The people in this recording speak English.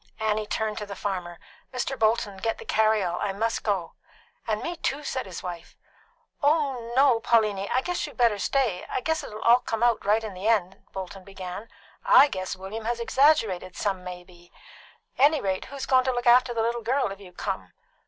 Annie turned to the farmer. "Mr. Bolton, get the carry all. I must go." "And me too," said his wife. "Why, no, Pauliny; I guess you better stay. I guess it'll come out all right in the end," Bolton began. "I guess William has exaggerated some may be. Anyrate, who's goin' to look after the little girl if you come?"